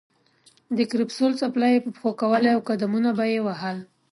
د کرپسول څپلۍ یې په پښو کولې او قدمونه به یې وهل.